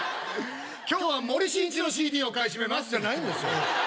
今日は森進一のＣＤを買い占めますじゃないんですよ